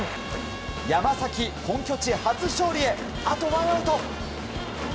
山崎、本拠地初勝利へあとワンアウト。